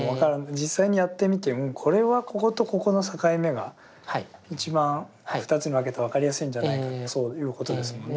実際にやってみてうんこれはこことここの境目が一番２つに分けたら分かりやすいんじゃないかそういうことですもんね。